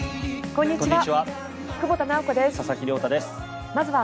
こんにちは。